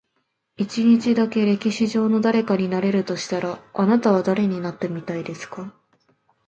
一日だけ、歴史上の誰かになれるとしたら、あなたは誰になってみたいですか？